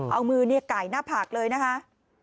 เอามือไก่หน้าผากเลยนะคะ